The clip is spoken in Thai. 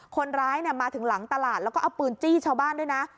คนร้ายมาถึงหลังตลาดแล้วก็เอาปืนจี้ชาวบ้านด้วยนะ